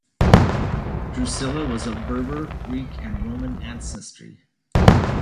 Drusilla was of Berber, Greek and Roman ancestry.